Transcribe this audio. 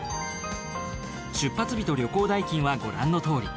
出発日と旅行代金はご覧のとおり。